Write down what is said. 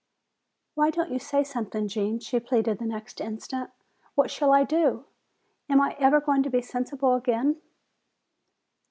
"Why don't you say something, Gene?" she pleaded the next instant. "What shall I do? Am I ever going to be sensible again?"